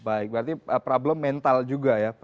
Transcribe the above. baik berarti problem mental juga ya